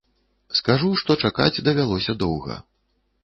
Скажу, што чакаць давялося доўга.